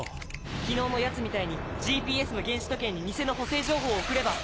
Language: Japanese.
昨日の奴みたいにＧＰＳの原子時計に偽の補正情報を送れば。